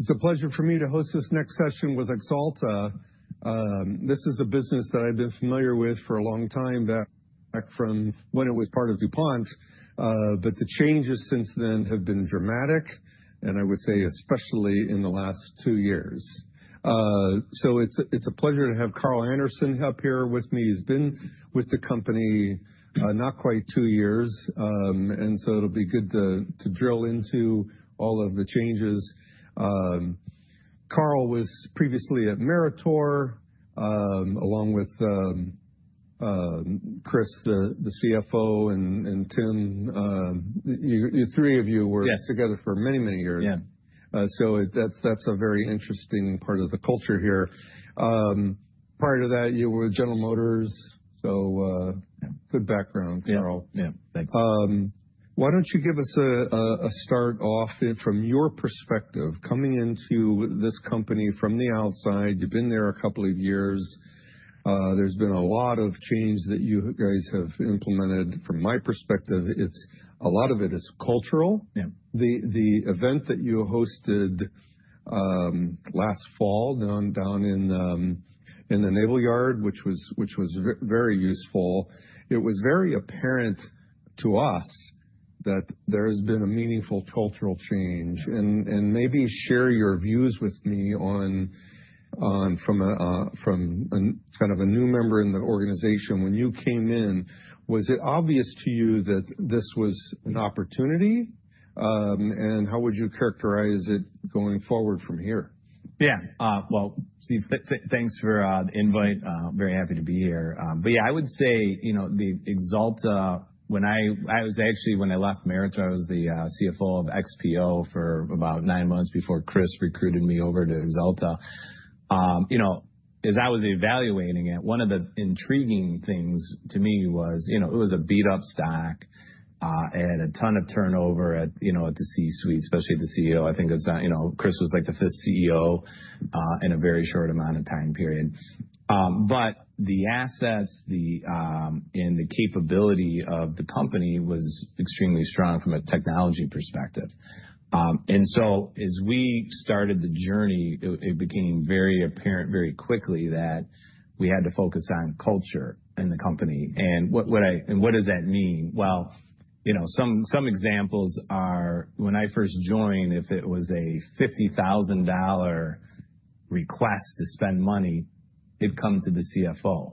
It's a pleasure for me to host this next session with Axalta. This is a business that I've been familiar with for a long time, back from when it was part of DuPont, but the changes since then have been dramatic, and I would say especially in the last two years. So it's a pleasure to have Carl Anderson up here with me. He's been with the company not quite two years, and so it'll be good to drill into all of the changes. Carl was previously at Meritor, along with Chris, the CFO, and Tim. The three of you were together for many, many years. So that's a very interesting part of the culture here. Prior to that, you were at General Motors, so good background, Carl. Yeah, thanks. Why don't you give us a start off from your perspective? Coming into this company from the outside, you've been there a couple of years. There's been a lot of change that you guys have implemented. From my perspective, a lot of it is cultural. The event that you hosted last fall down in the Navy Yard, which was very useful. It was very apparent to us that there has been a meaningful cultural change, and maybe share your views with me from kind of a new member in the organization. When you came in, was it obvious to you that this was an opportunity, and how would you characterize it going forward from here? Yeah. Well, thanks for the invite. Very happy to be here. But yeah, I would say the Axalta, when I was actually, when I left Meritor, I was the CFO of XPO for about nine months before Chris recruited me over to Axalta. As I was evaluating it, one of the intriguing things to me was it was a beat-up stock. It had a ton of turnover at the C-suite, especially the CEO. I think Chris was like the fifth CEO in a very short amount of time period. But the assets and the capability of the company was extremely strong from a technology perspective. And so as we started the journey, it became very apparent very quickly that we had to focus on culture in the company. And what does that mean? Some examples are, when I first joined, if it was a $50,000 request to spend money, it'd come to the CFO.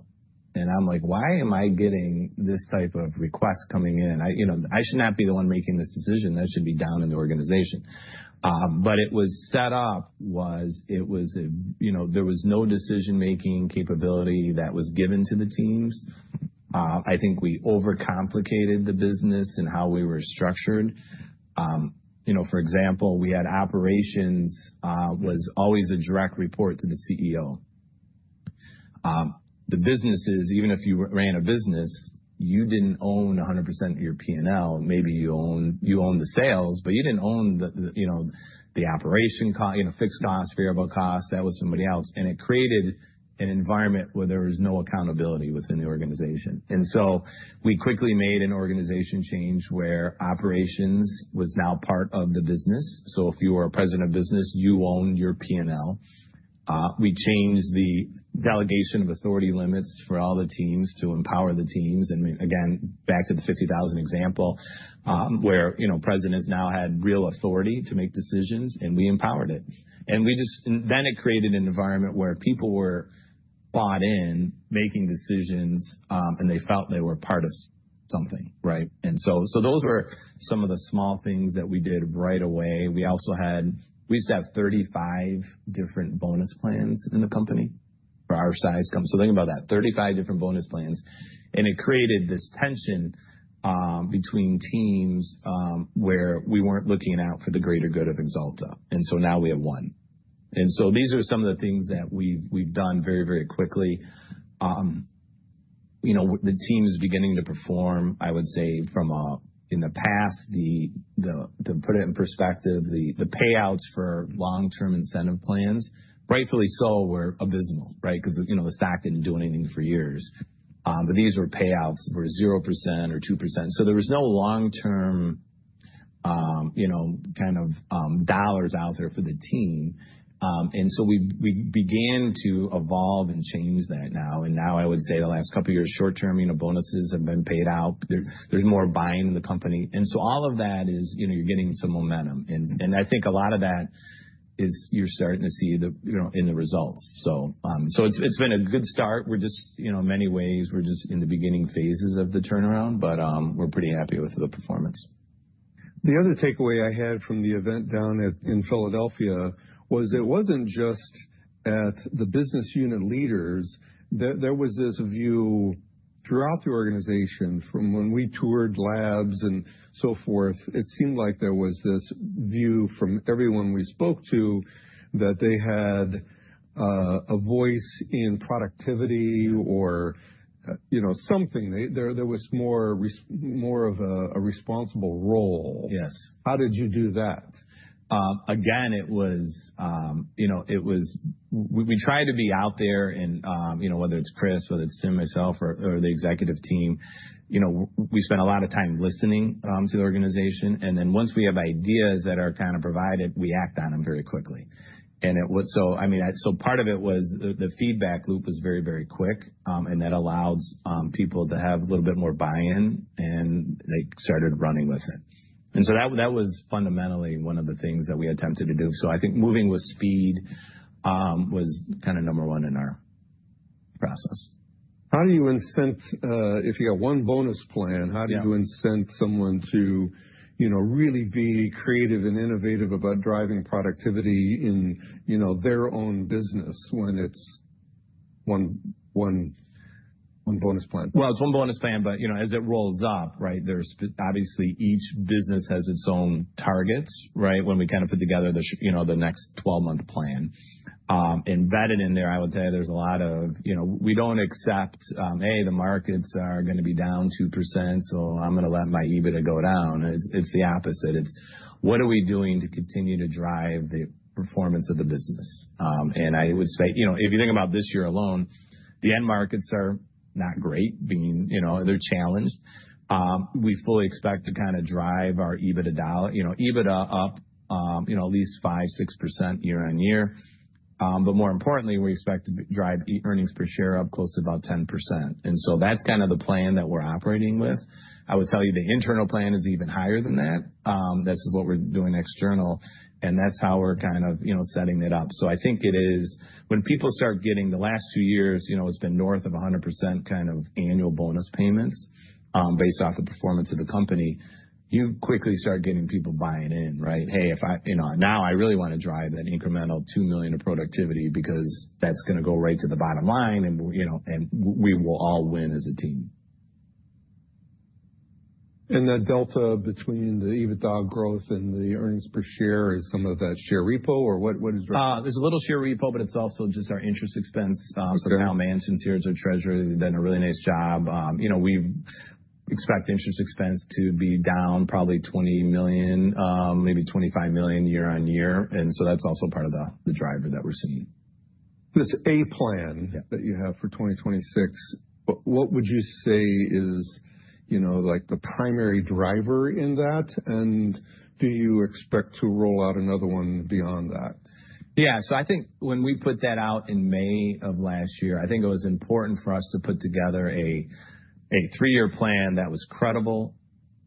I'm like, "Why am I getting this type of request coming in? I should not be the one making this decision. That should be down in the organization." It was set up, there was no decision-making capability that was given to the teams. I think we overcomplicated the business and how we were structured. For example, we had operations was always a direct report to the CEO. The businesses, even if you ran a business, you didn't own 100% of your P&L. Maybe you owned the sales, but you didn't own the operation cost, fixed costs, variable costs. That was somebody else. It created an environment where there was no accountability within the organization. And so we quickly made an organization change where operations was now part of the business. So if you were a president of business, you owned your P&L. We changed the delegation of authority limits for all the teams to empower the teams. And again, back to the 50,000 example where presidents now had real authority to make decisions, and we empowered it. And then it created an environment where people were bought in making decisions, and they felt they were part of something. And so those were some of the small things that we did right away. We used to have 35 different bonus plans in the company for our size company. So think about that, 35 different bonus plans. And it created this tension between teams where we weren't looking out for the greater good of Axalta. And so now we have one. And so these are some of the things that we've done very, very quickly. The team is beginning to perform, I would say, from in the past, to put it in perspective, the payouts for long-term incentive plans, rightfully so, were abysmal, right? Because the stock didn't do anything for years. But these were payouts for 0% or 2%. So there was no long-term kind of dollars out there for the team. And so we began to evolve and change that now. And now I would say the last couple of years, short-term bonuses have been paid out. There's more buying in the company. And so all of that is you're getting some momentum. And I think a lot of that is you're starting to see in the results. So it's been a good start. In many ways, we're just in the beginning phases of the turnaround, but we're pretty happy with the performance. The other takeaway I had from the event down in Philadelphia was it wasn't just at the business unit leaders. There was this view throughout the organization from when we toured labs and so forth. It seemed like there was this view from everyone we spoke to that they had a voice in productivity or something. There was more of a responsible role. How did you do that? Again, it was, we tried to be out there, whether it's Chris, whether it's Tim, myself, or the Executive Team. We spent a lot of time listening to the organization, and then once we have ideas that are kind of provided, we act on them very quickly, and so part of it was the feedback loop was very, very quick, and that allowed people to have a little bit more buy-in, and they started running with it, and so that was fundamentally one of the things that we attempted to do, so I think moving with speed was kind of number one in our process. How do you incent, if you have one bonus plan, how do you incent someone to really be creative and innovative about driving productivity in their own business when it's one bonus plan? It's one bonus plan, but as it rolls up, right, obviously each business has its own targets when we kind of put together the next 12-month plan. Embedded in there, I would say there's a lot of we don't accept, "Hey, the markets are going to be down 2%, so I'm going to let my EBITDA go down." It's the opposite. It's, "What are we doing to continue to drive the performance of the business?" And I would say, if you think about this year alone, the end markets are not great. They're challenged. We fully expect to kind of drive our EBITDA up at least 5%-6% year-on-year. But more importantly, we expect to drive earnings per share up close to about 10%. And so that's kind of the plan that we're operating with. I would tell you the internal plan is even higher than that. This is what we're doing external, and that's how we're kind of setting it up. So I think it is, when people start getting the last two years, it's been north of 100% kind of annual bonus payments based off the performance of the company. You quickly start getting people buying in, right? "Hey, now I really want to drive that incremental $2 million of productivity because that's going to go right to the bottom line, and we will all win as a team. That delta between the EBITDA growth and the earnings per share is some of that share repo, or what is? There's a little share repo, but it's also just our interest expense. So now our pension, securities, or Treasury has done a really nice job. We expect interest expense to be down probably $20 million, maybe $25 million year-on-year. And so that's also part of the driver that we're seeing. This A-Plan that you have for 2026, what would you say is the primary driver in that, and do you expect to roll out another one beyond that? Yeah. So I think when we put that out in May of last year, I think it was important for us to put together a three-year plan that was credible,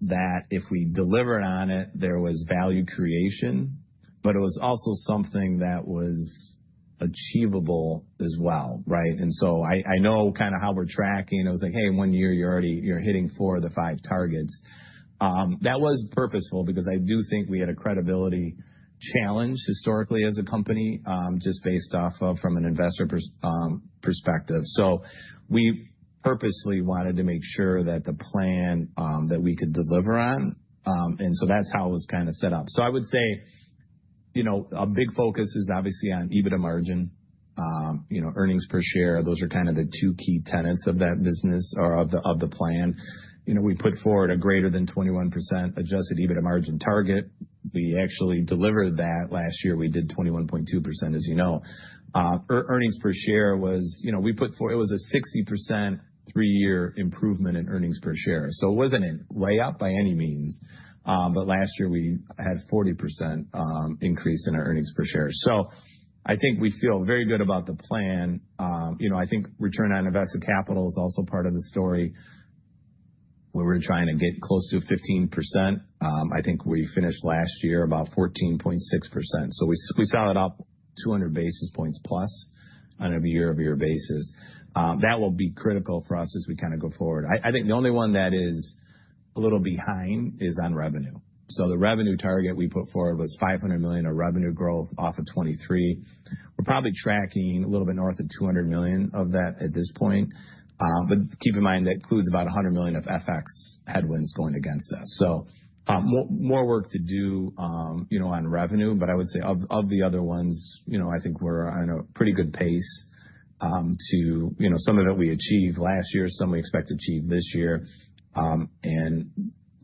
that if we delivered on it, there was value creation, but it was also something that was achievable as well, right? And so I know kind of how we're tracking. It was like, "Hey, one year you're hitting four of the five targets." That was purposeful because I do think we had a credibility challenge historically as a company just based off of from an investor perspective. So we purposely wanted to make sure that the plan that we could deliver on. And so that's how it was kind of set up. So I would say a big focus is obviously on EBITDA margin, earnings per share. Those are kind of the two key tenets of that business or of the plan. We put forward a greater than 21% adjusted EBITDA margin target. We actually delivered that last year. We did 21.2%, as you know. Earnings per share was, we put forward, it was a 60% three-year improvement in earnings per share. So it wasn't a layup by any means. But last year, we had a 40% increase in our earnings per share. So I think we feel very good about the plan. I think return on invested capital is also part of the story where we're trying to get close to 15%. I think we finished last year about 14.6%. So we saw it up 200 basis points plus on a year-over-year basis. That will be critical for us as we kind of go forward. I think the only one that is a little behind is on revenue. So the revenue target we put forward was $500 million of revenue growth off of 2023. We're probably tracking a little bit north of $200 million of that at this point. But keep in mind that includes about $100 million of FX headwinds going against us. So more work to do on revenue. But I would say of the other ones, I think we're on a pretty good pace. To some of it we achieved last year, some we expect to achieve this year. And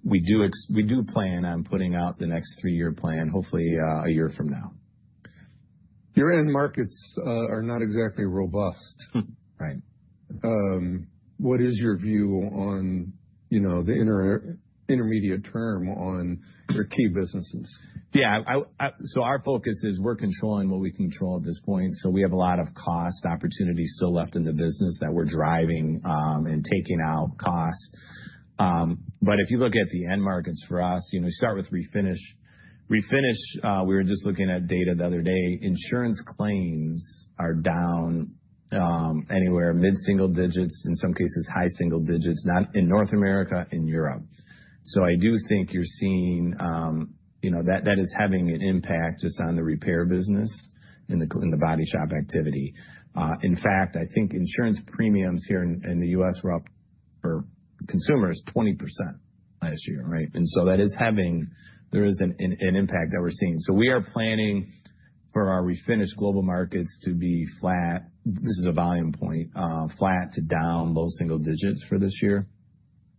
we do plan on putting out the next three-year plan, hopefully a year from now. Your end markets are not exactly robust. Right. What is your view on the intermediate term on your key businesses? Yeah. So our focus is we're controlling what we control at this point. So we have a lot of cost opportunities still left in the business that we're driving and taking out costs. But if you look at the end markets for us, we start with Refinish. Refinish, we were just looking at data the other day. Insurance claims are down anywhere mid-single digits, in some cases high single digits, not in North America, in Europe. So I do think you're seeing that is having an impact just on the repair business in the body shop activity. In fact, I think insurance premiums here in the U.S. were up for consumers 20% last year, right? And so that is having. There is an impact that we're seeing. So we are planning for our Refinish global markets to be flat. This is a volume point, flat to down low single digits for this year.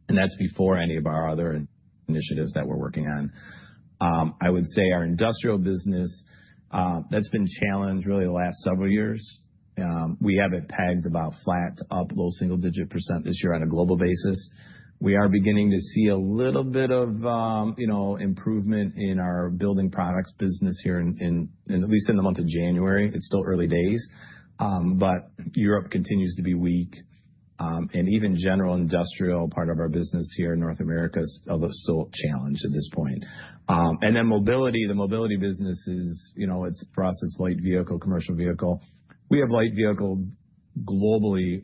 That's before any of our other initiatives that we're working on. I would say our Industrial business, that's been challenged really the last several years. We have it pegged about flat to up low single digit % this year on a global basis. We are beginning to see a little bit of improvement in our building products business here, at least in the month of January. It's still early days. Europe continues to be weak. Even general industrial part of our business here in North America is still challenged at this point. Then Mobility, the Mobility businesses, for us, it's Light Vehicle, Commercial Vehicle. We have Light Vehicle globally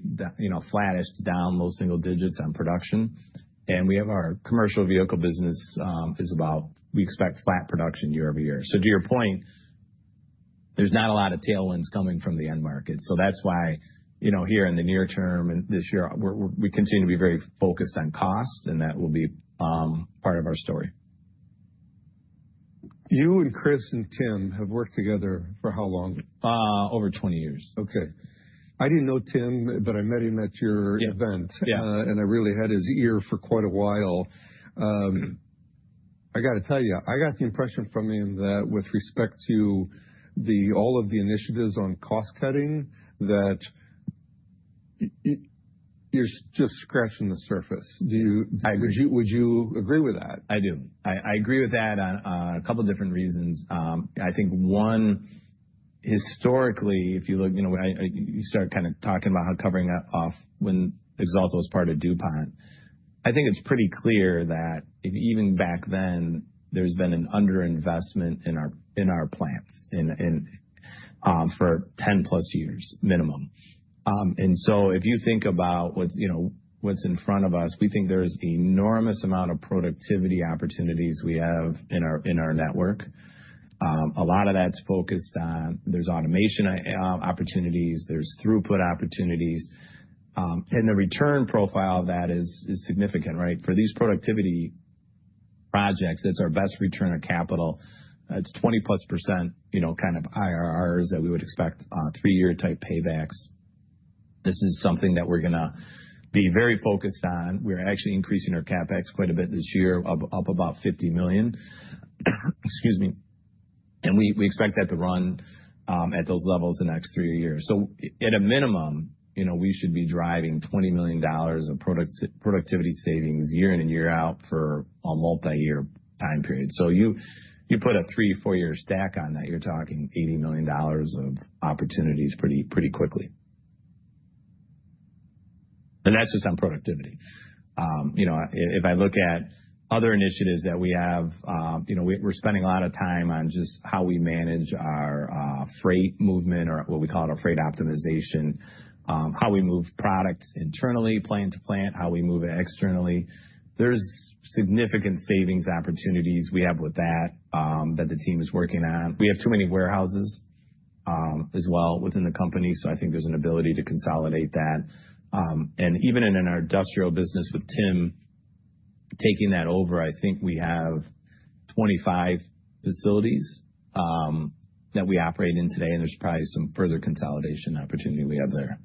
flattish down low single digits on production. We have our Commercial Vehicle business is about we expect flat production year-over-year. So to your point, there's not a lot of tailwinds coming from the end markets. So that's why here in the near term and this year, we continue to be very focused on cost, and that will be part of our story. You and Chris and Tim have worked together for how long? Over 20 years. Okay. I didn't know Tim, but I met him at your event, and I really had his ear for quite a while. I got to tell you, I got the impression from him that with respect to all of the initiatives on cost cutting, that you're just scratching the surface. Would you agree with that? I do. I agree with that on a couple of different reasons. I think one, historically, if you look, you start kind of talking about how covering off when Axalta was part of DuPont, I think it's pretty clear that even back then, there's been an underinvestment in our plants for 10+ years minimum. And so if you think about what's in front of us, we think there's an enormous amount of productivity opportunities we have in our network. A lot of that's focused on there's automation opportunities, there's throughput opportunities. And the return profile of that is significant, right? For these productivity projects, that's our best return of capital. It's 20%+ kind of IRRs that we would expect three-year type paybacks. This is something that we're going to be very focused on. We're actually increasing our CapEx quite a bit this year, up about $50 million. Excuse me. And we expect that to run at those levels the next three years. So at a minimum, we should be driving $20 million of productivity savings year in and year out for a multi-year time period. So you put a three, four-year stack on that, you're talking $80 million of opportunities pretty quickly. And that's just on productivity. If I look at other initiatives that we have, we're spending a lot of time on just how we manage our freight movement or what we call our freight optimization, how we move products internally, plant to plant, how we move it externally. There's significant savings opportunities we have with that that the team is working on. We have too many warehouses as well within the company. So I think there's an ability to consolidate that. Even in our Industrial business with Tim taking that over, I think we have 25 facilities that we operate in today, and there's probably some further consolidation opportunity we have there.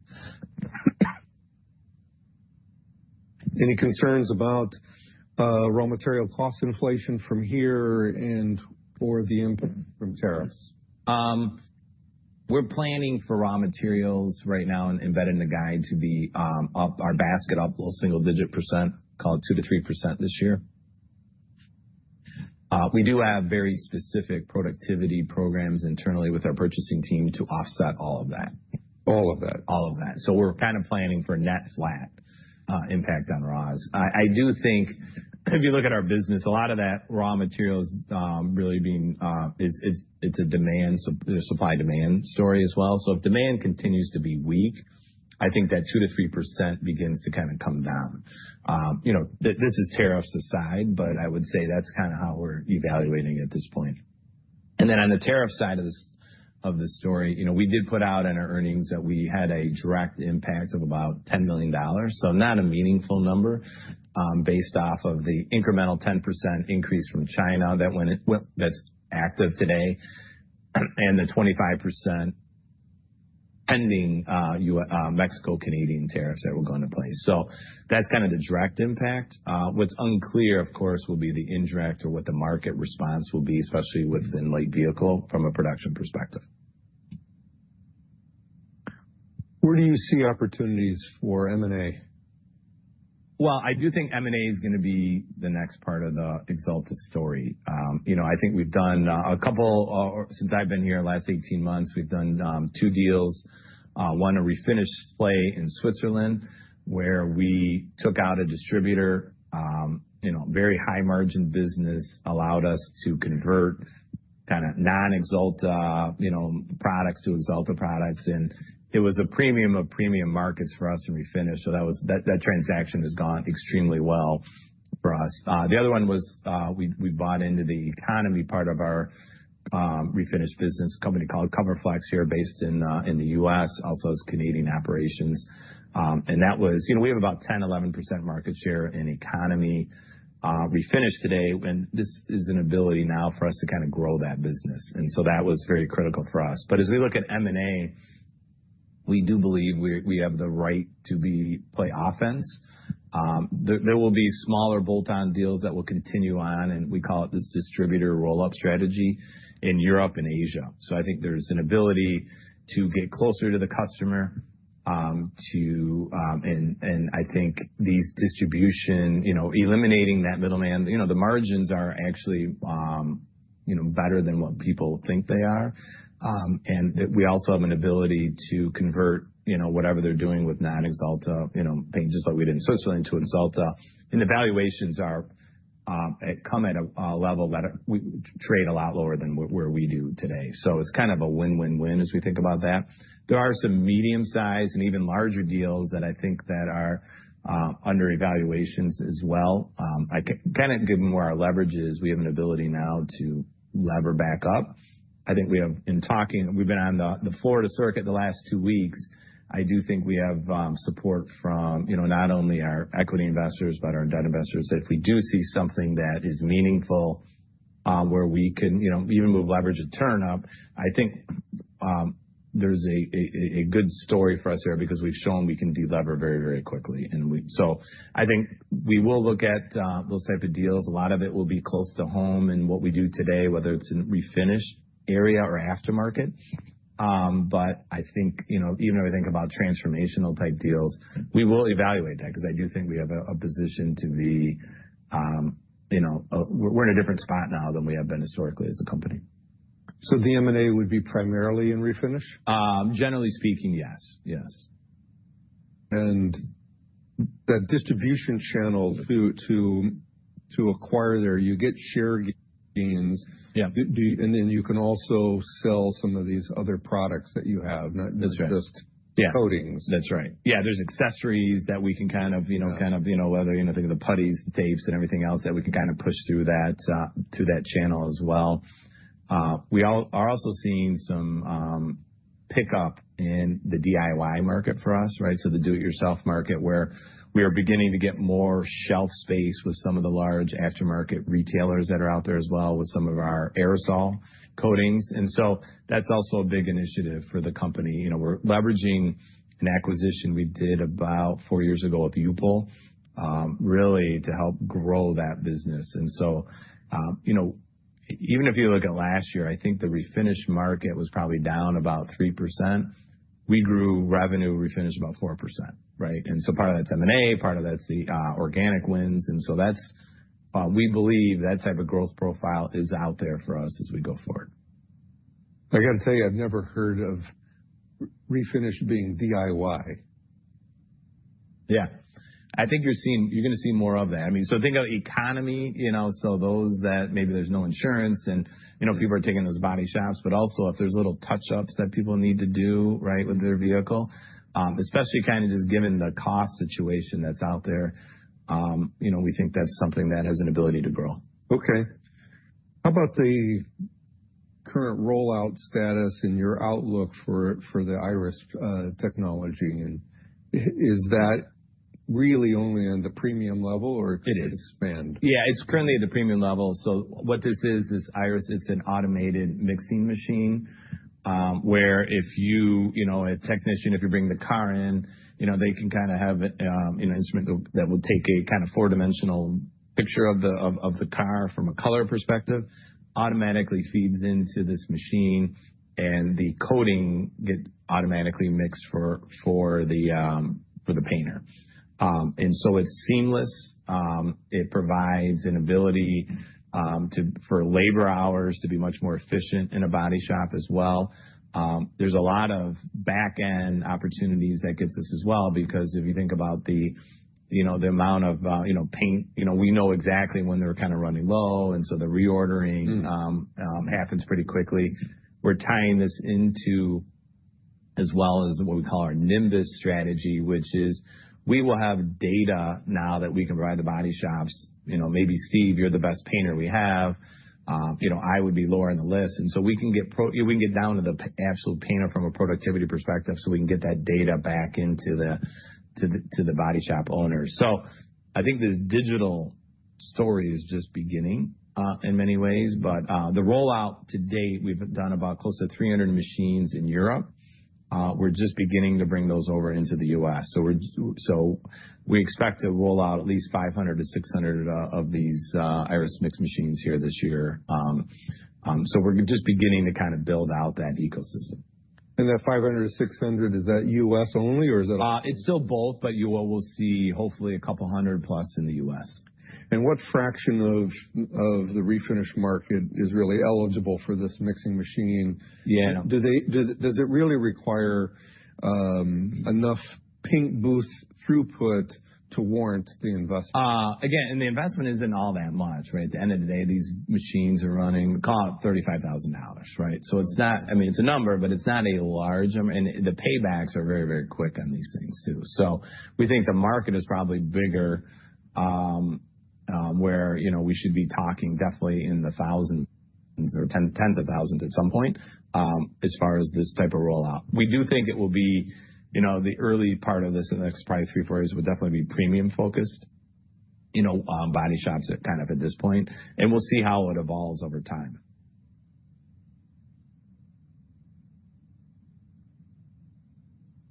Any concerns about raw material cost inflation from here and/or the impact from tariffs? We're planning for raw materials right now and embedding the guide to be up our basket up low single digit percent, called 2%-3% this year. We do have very specific productivity programs internally with our purchasing team to offset all of that. All of that. All of that. So we're kind of planning for net flat impact on ROS. I do think if you look at our business, a lot of that raw materials really being it's a demand, supply demand story as well. So if demand continues to be weak, I think that 2%-3% begins to kind of come down. This is tariffs aside, but I would say that's kind of how we're evaluating at this point. And then on the tariff side of this story, we did put out on our earnings that we had a direct impact of about $10 million. So not a meaningful number based off of the incremental 10% increase from China that's active today and the 25% pending Mexico-Canadian tariffs that were going to play. So that's kind of the direct impact. What's unclear, of course, will be the indirect or what the market response will be, especially within Light Vehicle from a production perspective. Where do you see opportunities for M&A? I do think M&A is going to be the next part of the Axalta story. I think we've done a couple since I've been here last 18 months. We've done two deals, one a refinish play in Switzerland where we took out a distributor. Very high margin business allowed us to convert kind of non-Axalta products to Axalta products. And it was a premium-to-premium markets for us in Refinish. So that transaction has gone extremely well for us. The other one was we bought into the economy part of our Refinish business company called CoverFlexx here based in the U.S., also has Canadian operations. And that was we have about 10%-11% market share in economy refinish today. And this is an ability now for us to kind of grow that business. And so that was very critical for us. But as we look at M&A, we do believe we have the right to play offense. There will be smaller bolt-on deals that will continue on. And we call it this distributor roll-up strategy in Europe and Asia. So I think there's an ability to get closer to the customer. And I think these distribution eliminating that middleman, the margins are actually better than what people think they are. And we also have an ability to convert whatever they're doing with non-Axalta, just like we did in Switzerland to Axalta. And the valuations come at a level that we trade a lot lower than where we do today. So it's kind of a win-win-win as we think about that. There are some medium-sized and even larger deals that I think that are under evaluations as well. I can't give them where our leverage is. We have an ability now to lever back up. I think we have, in talking, we've been on the Florida circuit the last two weeks. I do think we have support from not only our equity investors, but our debt investors that if we do see something that is meaningful where we can even move leverage and turn up. I think there's a good story for us here because we've shown we can delever very, very quickly. And so I think we will look at those type of deals. A lot of it will be close to home and what we do today, whether it's in Refinish area or aftermarket. But I think even if we think about transformational type deals, we will evaluate that because I do think we have a position to be we're in a different spot now than we have been historically as a company. So the M&A would be primarily in Refinish? Generally speaking, yes. Yes. That distribution channel to acquire there, you get share gains. Then you can also sell some of these other products that you have, not just coatings. That's right. Yeah. There's accessories that we can kind of whether you think of the putties, the tapes, and everything else that we can kind of push through that channel as well. We are also seeing some pickup in the DIY market for us, right? So the do-it-yourself market where we are beginning to get more shelf space with some of the large aftermarket retailers that are out there as well with some of our aerosol coatings. And so that's also a big initiative for the company. We're leveraging an acquisition we did about four years ago with U-POL really to help grow that business. And so even if you look at last year, I think the Refinish market was probably down about 3%. We grew revenue Refinish about 4%, right? And so part of that's M&A, part of that's the organic wins. We believe that type of growth profile is out there for us as we go forward. I got to tell you, I've never heard of Refinish being DIY. Yeah. I think you're going to see more of that. I mean, so think of economy. So those that maybe there's no insurance and people are taking those body shops, but also if there's little touch-ups that people need to do, right, with their vehicle, especially kind of just given the cost situation that's out there, we think that's something that has an ability to grow. Okay. How about the current rollout status and your outlook for the Irus technology? And is that really only on the premium level or expand? It is. Yeah. It's currently at the premium level. So what this is, is Irus, it's an automated mixing machine where if you're a technician, if you bring the car in, they can kind of have an instrument that will take a kind of four-dimensional picture of the car from a color perspective, automatically feeds into this machine, and the coating gets automatically mixed for the painter. And so it's seamless. It provides an ability for labor hours to be much more efficient in a body shop as well. There's a lot of back-end opportunities that get us as well because if you think about the amount of paint, we know exactly when they're kind of running low. And so the reordering happens pretty quickly. We're tying this into as well as what we call our Nimbus strategy, which is we will have data now that we can provide the body shops. Maybe Steve, you're the best painter we have. I would be lower on the list, and so we can get down to the absolute painter from a productivity perspective so we can get that data back into the body shop owners. So I think this digital story is just beginning in many ways, but the rollout to date, we've done about close to 300 machines in Europe. We're just beginning to bring those over into the U.S. So we expect to roll out at least 500-600 of these Irus Mix machines here this year. So we're just beginning to kind of build out that ecosystem. That 500-600, is that U.S. only or is that? It's still both, but you will see hopefully a couple hundred plus in the U.S. What fraction of the Refinish market is really eligible for this mixing machine? Yeah. Does it really require enough paint booth throughput to warrant the investment? Again, and the investment isn't all that much, right? At the end of the day, these machines are running $35,000, right? So it's not, I mean, it's a number, but it's not a large, and the paybacks are very, very quick on these things too. So we think the market is probably bigger where we should be talking definitely in the thousands or tens of thousands at some point as far as this type of rollout. We do think it will be the early part of this in the next probably three, four years would definitely be premium-focused body shops kind of at this point. And we'll see how it evolves over time.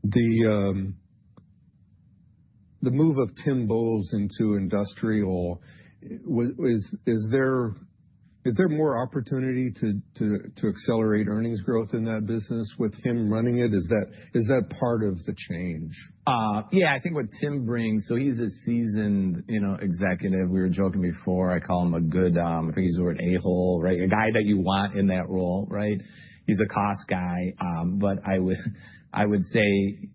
The move of Tim Bowes into Industrial, is there more opportunity to accelerate earnings growth in that business with him running it? Is that part of the change? Yeah. I think what Tim brings, so he's a seasoned executive. We were joking before. I call him a good, I think he's the word a-hole, right? A guy that you want in that role, right? He's a cost guy. But I would say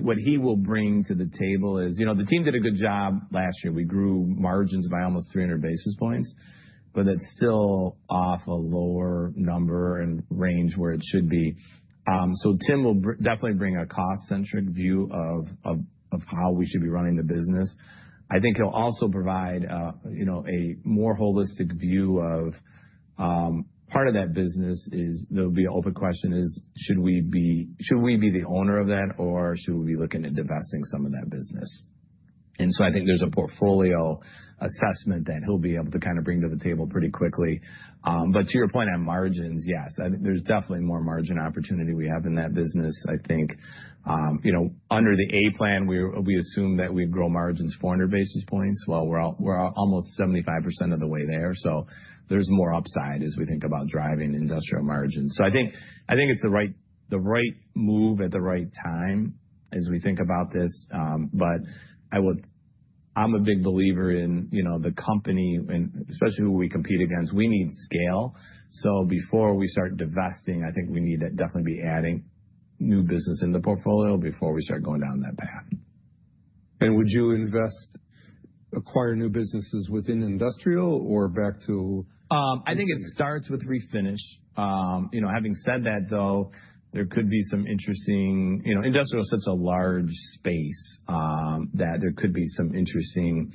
what he will bring to the table is the team did a good job last year. We grew margins by almost 300 basis points, but that's still off a lower number and range where it should be. So Tim will definitely bring a cost-centric view of how we should be running the business. I think he'll also provide a more holistic view of part of that business. There'll be an open question: should we be the owner of that or should we be looking at divesting some of that business? And so I think there's a portfolio assessment that he'll be able to kind of bring to the table pretty quickly. But to your point on margins, yes. I think there's definitely more margin opportunity we have in that business. I think under the A-Plan, we assume that we grow margins 400 basis points. Well, we're almost 75% of the way there. So there's more upside as we think about driving Industrial margins. So I think it's the right move at the right time as we think about this. But I'm a big believer in the company, and especially who we compete against, we need scale. So before we start divesting, I think we need to definitely be adding new business in the portfolio before we start going down that path. Would you invest, acquire new businesses within Industrial or back to? I think it starts with Refinish. Having said that, though, there could be some interesting industrial. It's such a large space that there could be some interesting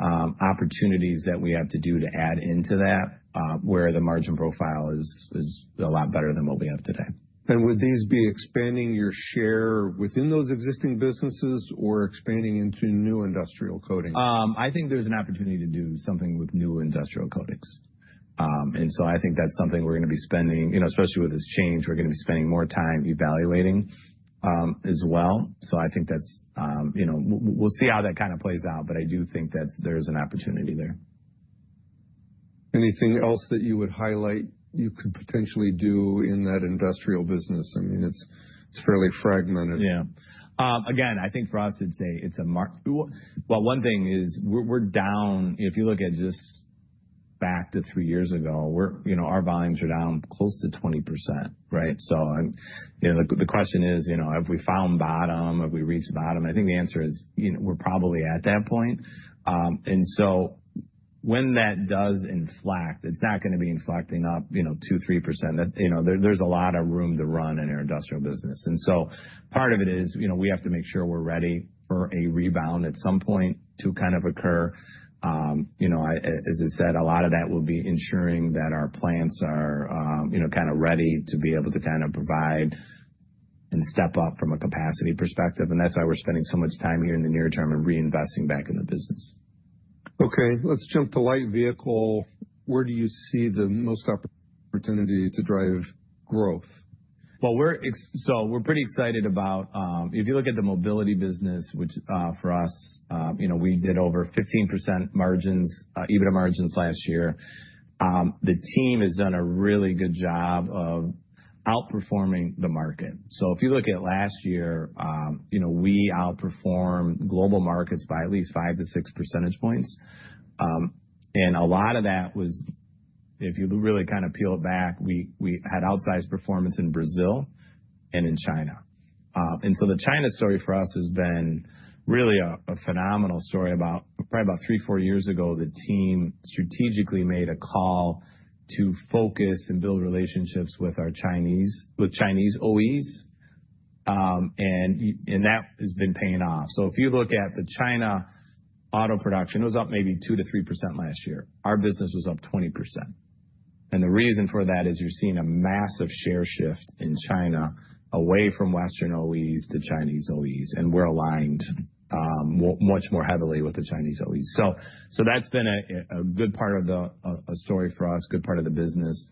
opportunities that we have today to add into that where the margin profile is a lot better than what we have today. Would these be expanding your share within those existing businesses or expanding into new industrial coatings? I think there's an opportunity to do something with new industrial coatings, and so I think that's something we're going to be spending, especially with this change, we're going to be spending more time evaluating as well, so I think that we'll see how that kind of plays out, but I do think that there's an opportunity there. Anything else that you would highlight you could potentially do in that Industrial business? I mean, it's fairly fragmented. Yeah. Again, I think for us, it's, well, one thing is we're down, if you look at just back to three years ago, our volumes are down close to 20%, right? So the question is, have we found bottom? Have we reached bottom? I think the answer is we're probably at that point. And so when that does inflect, it's not going to be inflecting up 2%-3%. There's a lot of room to run in our Industrial business. And so part of it is we have to make sure we're ready for a rebound at some point to kind of occur. As I said, a lot of that will be ensuring that our plants are kind of ready to be able to kind of provide and step up from a capacity perspective. That's why we're spending so much time here in the near term and reinvesting back in the business. Okay. Let's jump to Light Vehicle. Where do you see the most opportunity to drive growth? We're pretty excited about if you look at the mobility business, which for us, we did over 15% margins, EBITDA margins last year. The team has done a really good job of outperforming the market. If you look at last year, we outperformed global markets by at least five to six percentage points. A lot of that was, if you really kind of peel it back, we had outsized performance in Brazil and in China. The China story for us has been really a phenomenal story about probably three, four years ago, the team strategically made a call to focus and build relationships with Chinese OEs. That has been paying off. If you look at the China auto production, it was up maybe 2%-3% last year. Our business was up 20%. The reason for that is you're seeing a massive share shift in China away from Western OEs to Chinese OEs. We're aligned much more heavily with the Chinese OEs. That's been a good part of the story for us, good part of the business.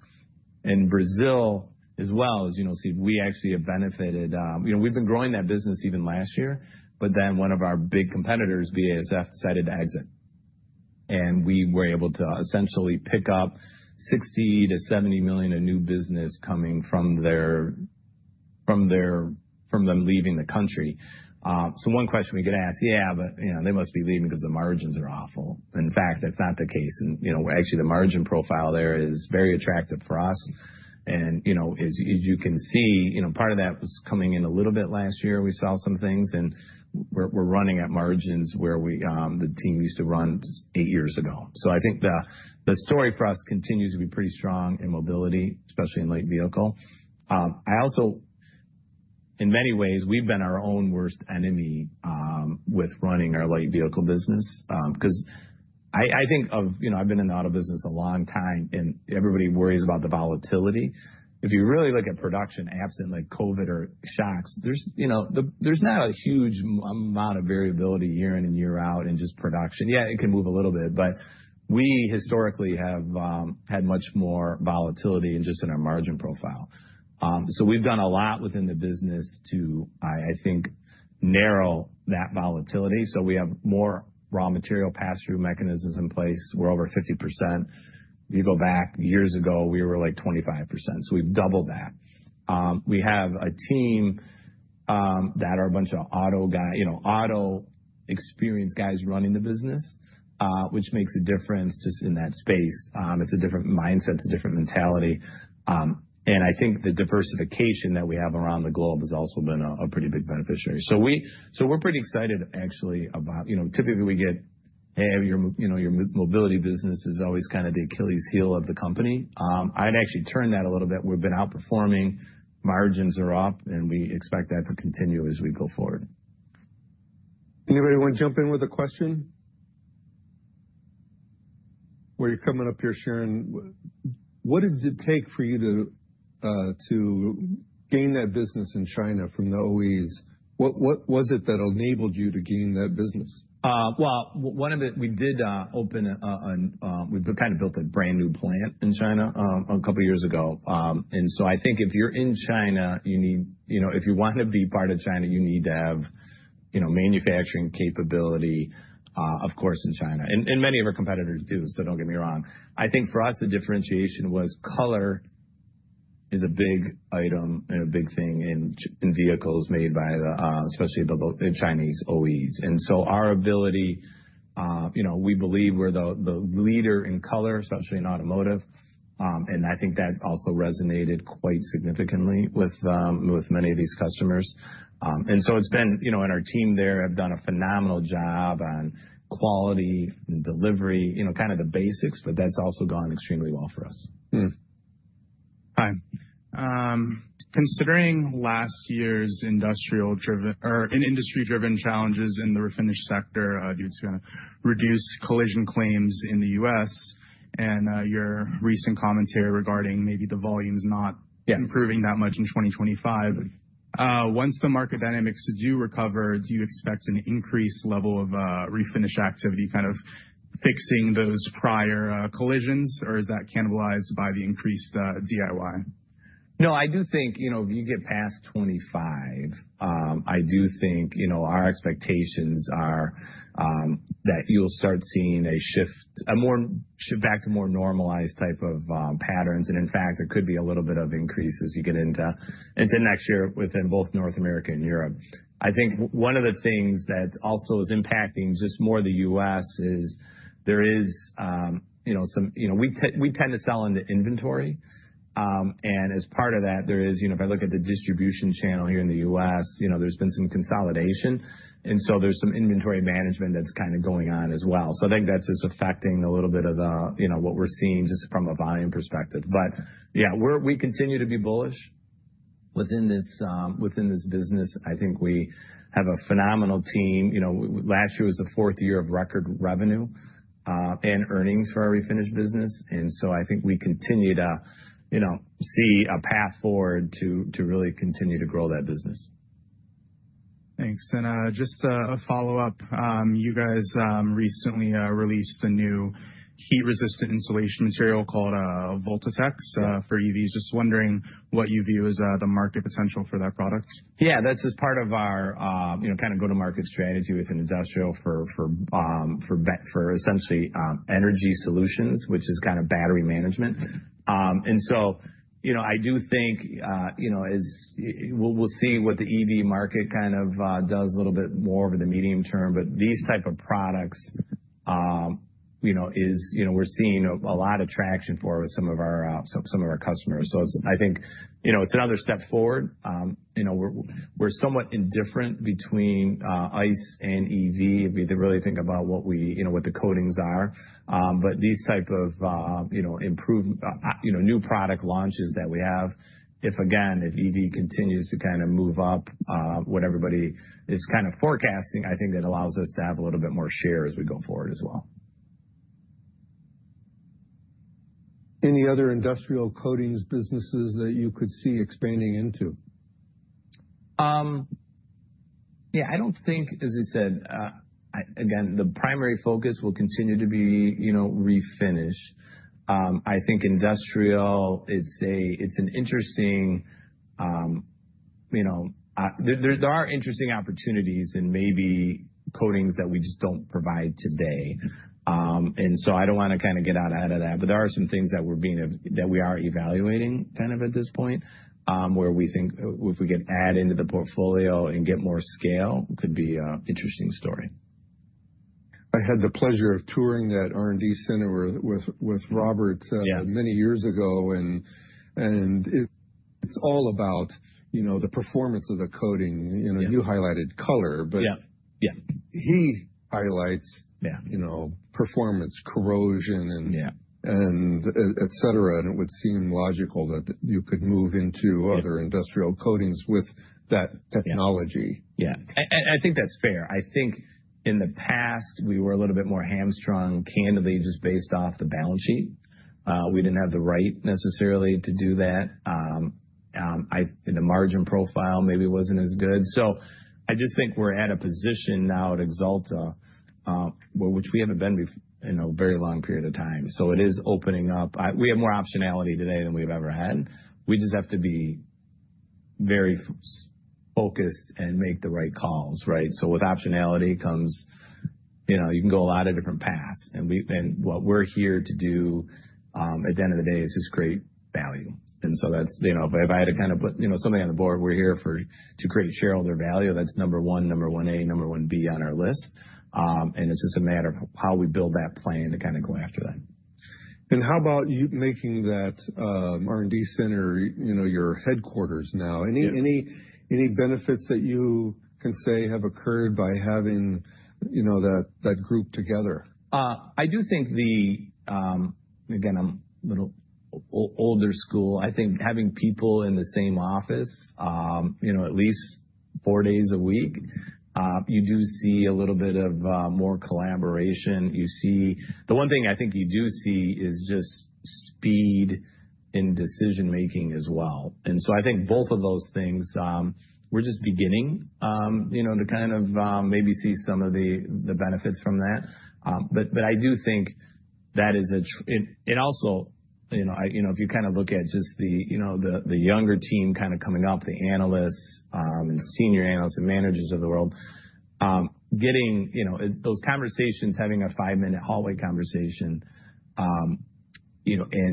In Brazil as well, as you know, Steve, we actually have benefited. We've been growing that business even last year, but then one of our big competitors, BASF, decided to exit. We were able to essentially pick up $60 million-$70 million in new business coming from them leaving the country. One question we get asked, "yeah, but they must be leaving because the margins are awful." In fact, that's not the case. Actually, the margin profile there is very attractive for us. As you can see, part of that was coming in a little bit last year. We saw some things, and we're running at margins where the team used to run eight years ago. I think the story for us continues to be pretty strong in mobility, especially in Light Vehicle. I also, in many ways, we've been our own worst enemy with running our Light Vehicle business because I think I've been in the auto business a long time, and everybody worries about the volatility. If you really look at production absent like COVID or shocks, there's not a huge amount of variability year in and year out in just production. Yeah, it can move a little bit, but we historically have had much more volatility just in our margin profile. We've done a lot within the business to, I think, narrow that volatility. We have more raw material pass-through mechanisms in place. We're over 50%. If you go back years ago, we were like 25%. So we've doubled that. We have a team that are a bunch of auto experienced guys running the business, which makes a difference just in that space. It's a different mindset. It's a different mentality, and I think the diversification that we have around the globe has also been a pretty big beneficiary. So we're pretty excited. Actually, about typically we get, "hey, your mobility business is always kind of the Achilles heel of the company." I'd actually turn that a little bit. We've been outperforming. Margins are up, and we expect that to continue as we go forward. Anybody want to jump in with a question? While you're coming up here, Sharon, what did it take for you to gain that business in China from the OEs? What was it that enabled you to gain that business? One of it, we kind of built a brand new plant in China a couple of years ago. So I think if you're in China, if you want to be part of China, you need to have manufacturing capability, of course, in China. Many of our competitors do, so don't get me wrong. For us, the differentiation was color is a big item and a big thing in vehicles made by especially the Chinese OEs. Our ability, we believe we're the leader in color, especially in automotive. That also resonated quite significantly with many of these customers. It's been, and our team there have done a phenomenal job on quality and delivery, kind of the basics, but that's also gone extremely well for us. Hi. Considering last year's industrial driven or industry-driven challenges in the Refinish sector, reduce collision claims in the U.S. and your recent commentary regarding maybe the volumes not improving that much in 2025, once the market dynamics do recover, do you expect an increased level of refinish activity kind of fixing those prior collisions, or is that cannibalized by the increased DIY? No, I do think if you get past 2025, I do think our expectations are that you'll start seeing a shift, a more back to more normalized type of patterns. And in fact, there could be a little bit of increase as you get into next year within both North America and Europe. I think one of the things that also is impacting just more of the U.S. is there is some we tend to sell into inventory. And as part of that, there is if I look at the distribution channel here in the U.S., there's been some consolidation. And so there's some inventory management that's kind of going on as well. So I think that's just affecting a little bit of what we're seeing just from a volume perspective. But yeah, we continue to be bullish within this business. I think we have a phenomenal team. Last year was the fourth year of record revenue and earnings for our Refinish business. And so I think we continue to see a path forward to really continue to grow that business. Thanks. And just a follow-up, you guys recently released a new heat-resistant insulation material called Voltatex for EVs. Just wondering what you view as the market potential for that product. Yeah, that's just part of our kind of go-to-market strategy within industrial for essentially energy solutions, which is kind of battery management. And so I do think we'll see what the EV market kind of does a little bit more over the medium term, but these type of products is we're seeing a lot of traction for with some of our customers. So I think it's another step forward. We're somewhat indifferent between ICE and EV if we really think about what the coatings are. But these type of new product launches that we have, if again, if EV continues to kind of move up what everybody is kind of forecasting, I think it allows us to have a little bit more share as we go forward as well. Any other industrial coatings businesses that you could see expanding into? Yeah, I don't think, as I said, again, the primary focus will continue to be Refinish. I think industrial, there are interesting opportunities in maybe coatings that we just don't provide today. And so I don't want to kind of get out ahead of that. But there are some things that we are evaluating kind of at this point where we think if we could add into the portfolio and get more scale, it could be an interesting story. I had the pleasure of touring that R&D center with Robert many years ago. It's all about the performance of the coating. You highlighted color, but he highlights performance, corrosion, and etc. It would seem logical that you could move into other industrial coatings with that technology. Yeah. I think that's fair. I think in the past, we were a little bit more hamstrung, candidly, just based off the balance sheet. We didn't have the right necessarily to do that. The margin profile maybe wasn't as good. So I just think we're at a position now at Axalta, which we haven't been in a very long period of time. So it is opening up. We have more optionality today than we've ever had. We just have to be very focused and make the right calls, right? So with optionality comes you can go a lot of different paths. And what we're here to do at the end of the day is just create value. And so if I had to kind of put something on the board, we're here to create shareholder value. That's number one, number one A, number one B on our list. It's just a matter of how we build that plan to kind of go after that. How about you making that R&D center your headquarters now? Any benefits that you can say have occurred by having that group together? I do think that, again, I'm a little old school. I think having people in the same office, at least four days a week, you do see a little bit more collaboration. The one thing I think you do see is just speed in decision-making as well, and so I think both of those things, we're just beginning to kind of maybe see some of the benefits from that, but I do think that is, and also, if you kind of look at just the younger team kind of coming up, the analysts and senior analysts and managers of the world, getting those conversations, having a five-minute hallway conversation, and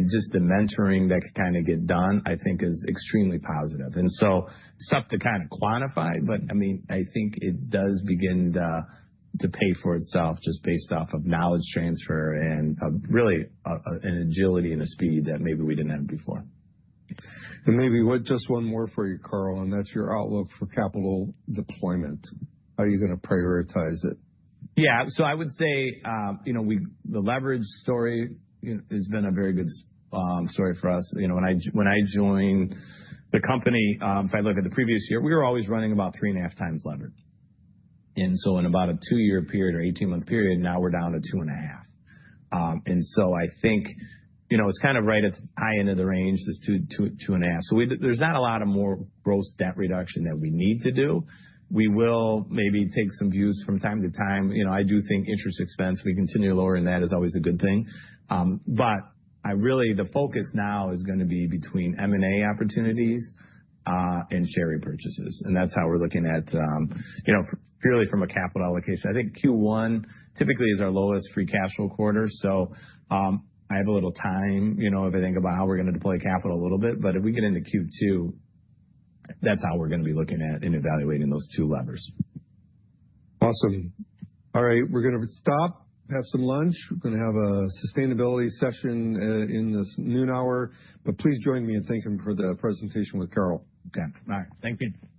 just the mentoring that can kind of get done, I think is extremely positive. And so it's tough to kind of quantify, but I mean, I think it does begin to pay for itself just based off of knowledge transfer and really an agility and a speed that maybe we didn't have before. Maybe just one more for you, Carl, and that's your outlook for capital deployment. How are you going to prioritize it? Yeah. So I would say the leverage story has been a very good story for us. When I joined the company, if I look at the previous year, we were always running about 3.5x leverage. And so in about a two-year period or 18-month period, now we're down to two and a half. And so I think it's kind of right at the high end of the range, this two and a half. So there's not a lot of more gross debt reduction that we need to do. We will maybe take some out from time to time. I do think interest expense, we continue lowering that, is always a good thing. But really, the focus now is going to be between M&A opportunities and share purchases. And that's how we're looking at it purely from a capital allocation. I think Q1 typically is our lowest free cash flow quarter. So I have a little time if I think about how we're going to deploy capital a little bit. But if we get into Q2, that's how we're going to be looking at and evaluating those two levers. Awesome. All right. We're going to stop, have some lunch. We're going to have a sustainability session in this noon hour. But please join me in thanking for the presentation with Carl. Okay. All right. Thank you.